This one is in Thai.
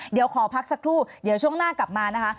เดี๋ยวขอพักสักครู่เดี๋ยวช่วงหน้ากลับมานะคะ